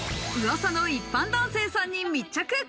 噂の一般男性さんに密着。